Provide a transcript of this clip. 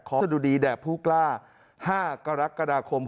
ขอสดุดีแดกผู้กล้า๕กรกฎาคม๑๙๖๔